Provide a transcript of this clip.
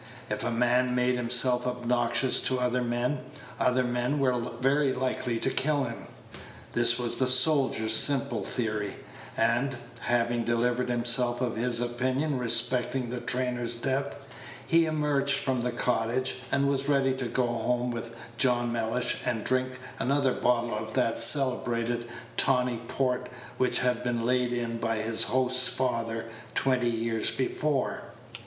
If a man made himself obnoxious to other men, other men were very likely to kill him. This was the soldier's simple theory; and, having delivered himself of his opinion respecting the trainer's death, he emerged from the cottage, and was ready to go home with John Mellish, and drink another bottle of that celebrated tawny port which had been laid in by his host's father twenty years before.